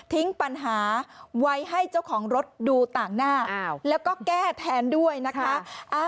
ปัญหาไว้ให้เจ้าของรถดูต่างหน้าแล้วก็แก้แทนด้วยนะคะ